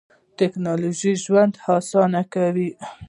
تکنالوژي ژوند آسانه کوي.